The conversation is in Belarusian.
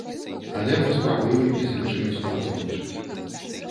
Але мы спрабуем і з іншымі супрацоўнічаць.